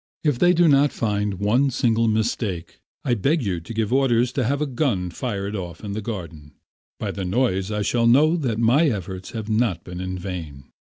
If they do not find one single mistake, I beg you to give orders to have a gun fired off in the garden. By the noise I shall know that my efforts have not been in vain.